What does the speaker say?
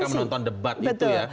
menonton debat itu ya